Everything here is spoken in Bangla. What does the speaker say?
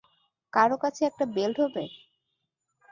কারোও কাছে একটা বেল্ট হবে?